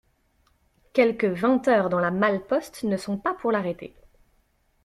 Quelque vingt heures dans la malle-poste ne sont pas pour l'arrêter.